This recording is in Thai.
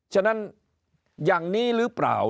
ฉะนั้นอย่างนี้หรือเปล่า